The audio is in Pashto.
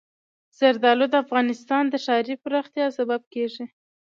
زردالو د افغانستان د ښاري پراختیا سبب کېږي.